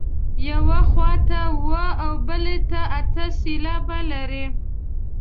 یوې خوا ته اووه او بلې ته اته سېلابه لري.